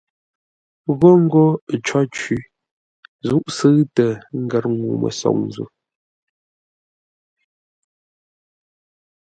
Gho ńgó cǒ cwí; zúʼ sʉ̂ʉtə ngər ŋuu-mə́soŋ zo.